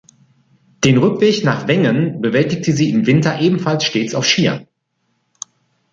Den Rückweg nach Wengen bewältigte sie im Winter ebenfalls stets auf Skiern.